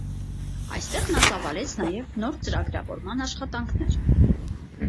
Այստեղ նա ծավալեց նաև նոր ծրագրավորման աշխատանքներ։